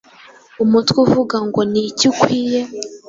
umutwe uvuga ngo niki ukwiye